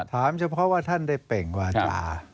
ถามเฉพาะว่าท่านได้เป็นกว่าจ๋า